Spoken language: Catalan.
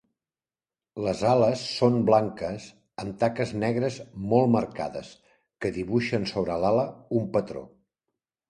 Les ales són blanques amb taques negres molt marcades que dibuixen sobre l'ala un patró.